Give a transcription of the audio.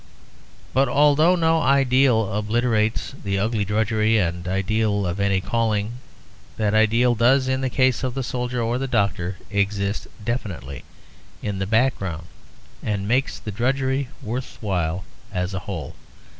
But although no ideal obliterates the ugly drudgery and detail of any calling, that ideal does, in the case of the soldier or the doctor, exist definitely in the background and makes that drudgery worth while as a whole.